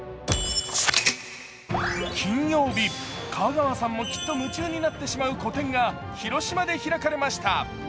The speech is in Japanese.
金曜日、香川さんもきっと夢中になってしまう個展が広島で開かれました。